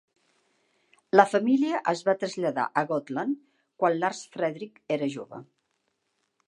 La família es va traslladar a Gotland quan Lars Fredrik era jove.